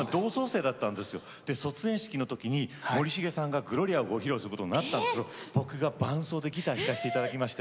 で卒園式の時に森重さんが「ＧＬＯＲＩＡ」をご披露することになったんですけど僕が伴奏でギター弾かせていただきまして。